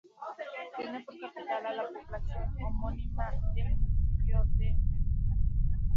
Tiene por capital a la población homónima, el municipio de Medina.